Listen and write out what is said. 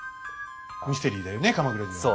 ミステリーだよね鎌倉時代の。